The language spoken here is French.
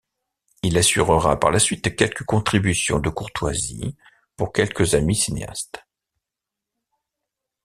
Il assurera par la suite quelques contributions de courtoisie pour quelques amis cinéastes.